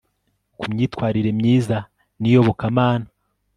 ku myitwarire myiza niyobokamana